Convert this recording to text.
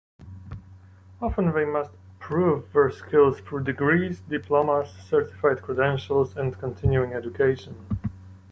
Often they must prove their skills through degrees, diplomas, certified credentials, and continuing education.